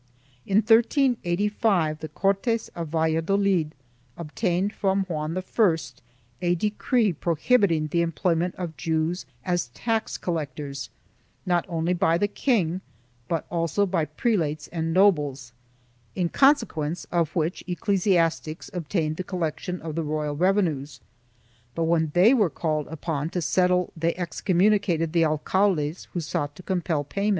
In 1385 the Cortes of Valladolid obtained from Juan I a decree prohibiting the employment of Jews as tax collectors, not only by the king but also by prelates and nobles, in consequence of which ecclesiastics obtained the collection of the royal revenues, but when they were called upon to settle they excommunicated the alcaldes who sought to compel pay 1 Padre Fidel Fita, Boletin, XI, 404.